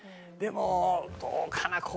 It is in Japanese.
でもどうかな？